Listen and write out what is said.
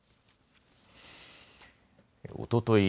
おととい